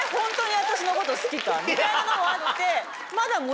みたいなのもあって。